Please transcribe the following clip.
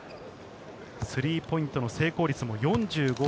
スリーポイントの成功率も４５．５％。